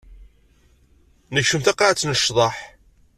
Nekcem taqaɛet n ccḍeḥ.